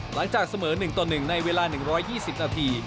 หลังจากเสมอ๑ต่อ๑ในเวลา๑๒๐นาที